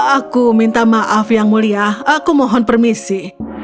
aku minta maaf yang mulia aku mohon permisi